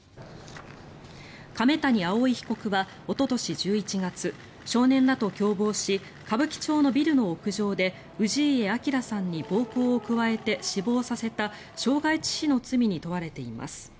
亀谷蒼被告はおととし１１月少年らと共謀し歌舞伎町のビルの屋上で氏家彰さんに暴行を加えて死亡させた傷害致死の罪に問われています。